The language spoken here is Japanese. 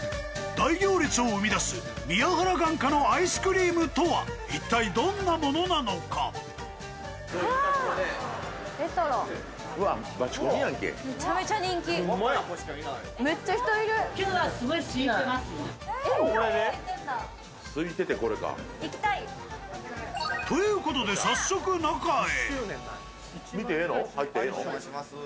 大行列を生み出す宮原眼科のアイスクリームとは一体どんなものなのか。ということで早速中へ。